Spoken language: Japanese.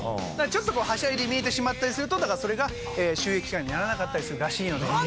だからちょっとはしゃいで見えてしまったりするとそれが収益化にならなかったりするらしいので。